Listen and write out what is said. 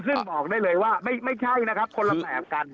ซึ่งบอกได้เลยว่าไม่ใช่นะครับคนละแบบกัน